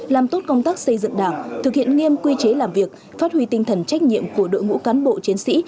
làm tốt công tác xây dựng đảng thực hiện nghiêm quy chế làm việc phát huy tinh thần trách nhiệm của đội ngũ cán bộ chiến sĩ